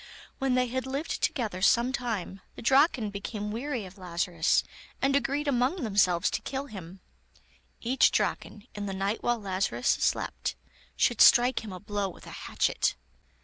When they had lived together some time, the Draken became weary of Lazarus, and agreed among themselves to kill him; each Draken, in the night while Lazarus slept, should strike him a blow with a hatchet.